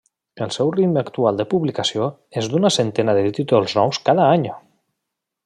El seu ritme actual de publicació és d'una centena de títols nous cada any.